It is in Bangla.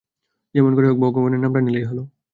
যেমন করে হোক ভগবানের নামটা নিলেই হল।